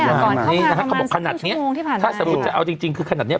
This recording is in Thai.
ก่อนเข้ามาประมาณสักชั่วโมงที่ผ่านมาถ้าสมมุติจะเอาจริงคือขนาดนี้